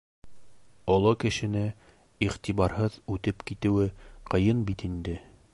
Оло кешене иғтибарһыҙ үтеп китеүе ҡыйын бит инде.